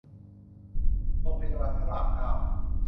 โรงพยาบาลพระรามเก้า